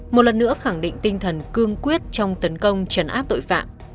một lần nữa khẳng định tinh thần cương quyết trong tấn công chấn áp tội phạm